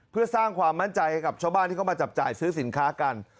เพื่อสร้างความมั่นใจให้กับชาวบ้านที่เข้ามาจับจ่ายซื้อสินค้ากัน